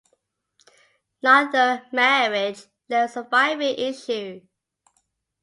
Neither marriage left surviving issue.